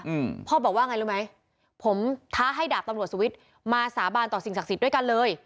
อืมพ่อบอกว่าไงรู้ไหมผมท้าให้ดาบตำรวจสวิทย์มาสาบานต่อสิ่งศักดิ์สิทธิ์ด้วยกันเลย